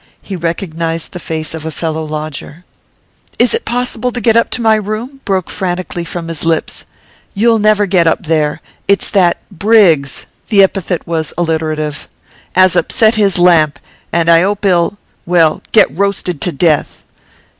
He recognised the face of a fellow lodger. 'Is it possible to get up to my room?' broke frantically from his lips. 'You'll never get up there. It's that Briggs' the epithet was alliterative ''as upset his lamp, and I 'ope he'll well get roasted to death.